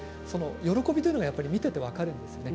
喜びというものが見ていて分かるんですね。